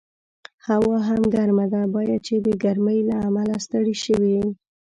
هوا هم ګرمه ده، باید چې د ګرمۍ له امله ستړی شوي یې.